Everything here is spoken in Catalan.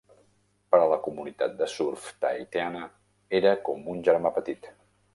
Per a la comunitat de surf tahitiana era com un germà petit.